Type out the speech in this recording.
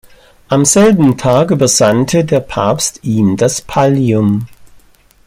Am selben Tag übersandte der Papst ihm das Pallium.